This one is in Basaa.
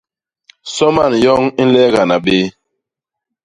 Soman yoñ i nleegana béé.